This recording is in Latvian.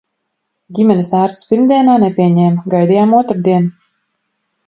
Ģimenes ārsts pirmdienā nepieņēma, gaidījām otrdienu.